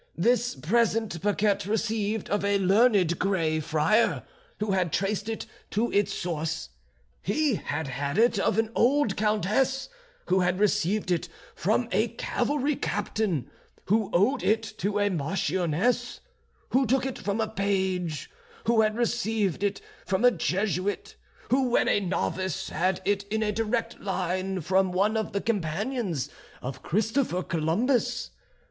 This present Paquette received of a learned Grey Friar, who had traced it to its source; he had had it of an old countess, who had received it from a cavalry captain, who owed it to a marchioness, who took it from a page, who had received it from a Jesuit, who when a novice had it in a direct line from one of the companions of Christopher Columbus.